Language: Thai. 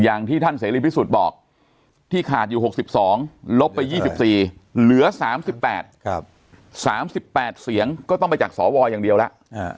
อย่างที่ท่านเสรีพิสุทธิ์บอกที่ขาดอยู่๖๒ลบไป๒๔เหลือ๓๘๓๘เสียงก็ต้องไปจากสวอย่างเดียวแล้ว